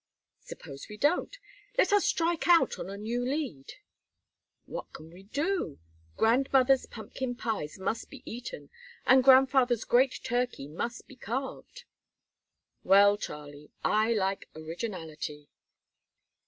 "Suppose we don't? Let us strike out on a new lead." "What can we do? Grandmother's pumpkin pies must be eaten, and grandfather's great turkey must be carved." "Well, Charlie, I like originality."